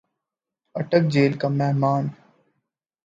اٹک جیل کا مہمان